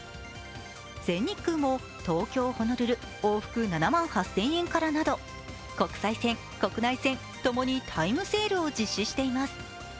全日空も、東京−ホノルル往復７万８０００円からなど、国際線、国内線ともにタイムセールを実施しています。